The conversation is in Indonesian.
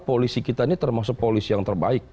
polisi kita ini termasuk polisi yang terbaik